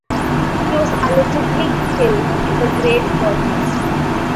He was allegedly killed in the Great Purges.